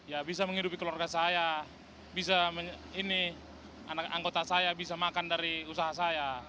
ya bisa menghidupi keluarga saya bisa ini anak anggota saya bisa makan dari usaha saya